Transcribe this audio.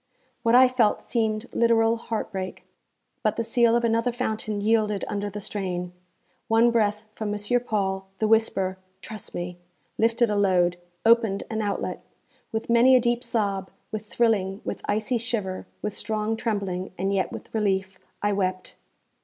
What I felt seemed literal heartbreak; but the seal of another fountain yielded under the strain. One breath from M. Paul, the whisper, 'Trust me!' lifted a load, opened an outlet. With many a deep sob, with thrilling, with icy shiver, with strong trembling, and yet with relief, I wept.